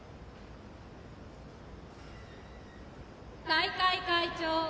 大会会長